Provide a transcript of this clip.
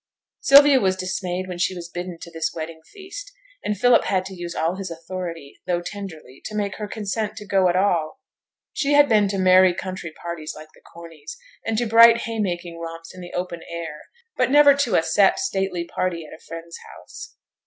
Sylvia was dismayed when she was bidden to this wedding feast, and Philip had to use all his authority, though tenderly, to make her consent to go at all. She had been to merry country parties like the Corneys', and to bright haymaking romps in the open air; but never to a set stately party at a friend's house.